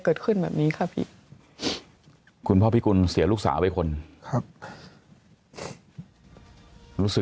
เกิดขึ้นแบบนี้ค่ะพี่คุณพ่อพิกุลเสียลูกสาวไปคนครับรู้สึก